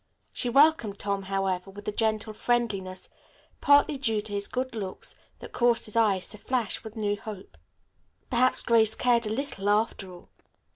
She welcomed Tom, however, with a gentle friendliness, partly due to his good looks, that caused his eyes to flash with new hope. Perhaps Grace cared a little after all.